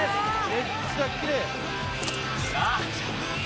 めっちゃきれい。